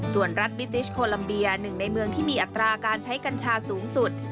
ส่วนรัฐบิติชโคลัมเบียหนึ่งในเมืองที่มีอัตราการใช้กัญชาสูงสุด